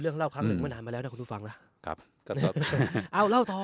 เรื่องเล่าครั้งหนึ่งเมื่อนานมาแล้วนะคุณผู้ฟังล่ะครับเอาเล่าต่อ